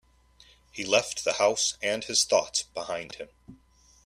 He left the house and his thoughts behind him.